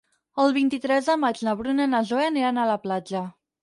El vint-i-tres de maig na Bruna i na Zoè aniran a la platja.